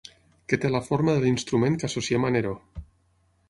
Que té la forma de l'instrument que associem a Neró.